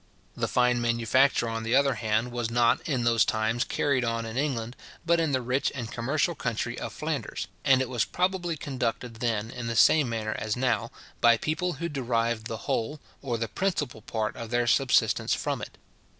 The fine manufacture, on the other hand, was not, in those times, carried on in England, but in the rich and commercial country of Flanders; and it was probably conducted then, in the same manner as now, by people who derived the whole, or the principal part of their subsistence from it.